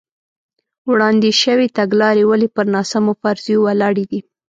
وړاندې شوې تګلارې ولې پر ناسمو فرضیو ولاړې دي.